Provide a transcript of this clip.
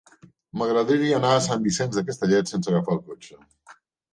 M'agradaria anar a Sant Vicenç de Castellet sense agafar el cotxe.